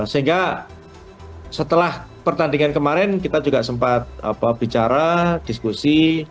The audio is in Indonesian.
sehingga setelah pertandingan kemarin kita juga sempat bicara diskusi